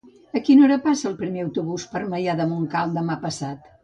A quina hora passa el primer autobús per Maià de Montcal demà passat?